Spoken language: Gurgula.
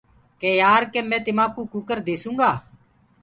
ڪي يآر ڪي مي تمآ ڪوُ ڪٚڪَر ديسونٚ گا۔